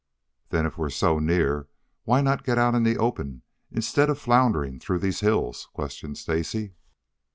"Then, if we're so near, why not get out in the open, instead of floundering through these hills?" questioned Stacy.